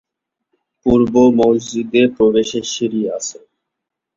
পুর্বে মসজিদে প্রবেশের সিঁড়ি আছে।